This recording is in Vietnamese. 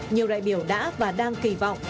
nhiều đại biểu đã và đang kỳ vọng